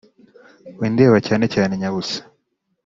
windeba cyane cyane nyabusa